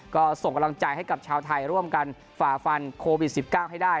ก็ส่งกำลังใจให้กับชาวไทยร่วมกันฝ่าฟันโควิด๑๙ให้ได้